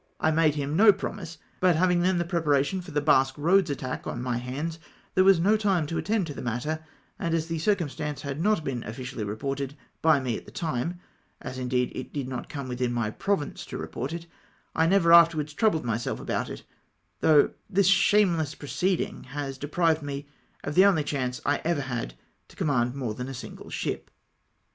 I made him no promise, but having EUSSIAN DECLARATION OF WAR. 239 tlien tlie preparation for the Basque Roads attack on my hands, there was no time to attend to the matter, and as the circumstance had not been ofFiciahy re ported by me at the time — as indeed it did not come within my province to report it — I never afterwards troubled myself about it, though this shameless pro ceeding had deprived me of the only chance I ever had to command more than a single ship